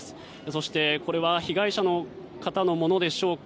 そして、これは被害者の方のものでしょうか。